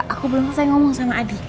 aku belum selesai ngomong sama adi